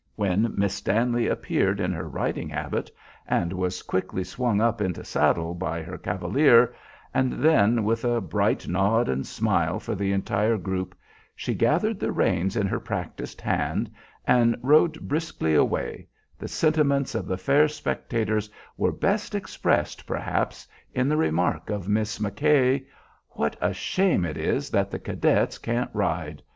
When Miss Stanley appeared in her riding habit and was quickly swung up into saddle by her cavalier, and then, with a bright nod and smile for the entire group, she gathered the reins in her practised hand and rode briskly away, the sentiments of the fair spectators were best expressed, perhaps, in the remark of Miss McKay, "What a shame it is that the cadets can't ride!